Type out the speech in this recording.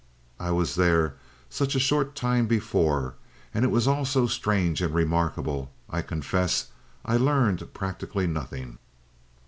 I was there such a short time before, and it was all so strange and remarkable, I confess I learned practically nothing.